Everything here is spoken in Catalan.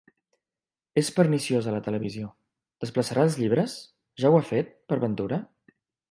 És perniciosa la televisió; desplaçarà els llibres? Ja ho ha fet, per ventura?